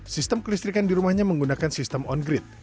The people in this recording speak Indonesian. sistem kelistrikan di rumahnya menggunakan sistem on grid